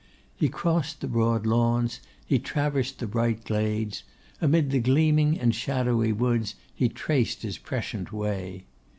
He crossed the broad lawns, he traversed the bright glades: amid the gleaming and shadowy woods, he traced his prescient way.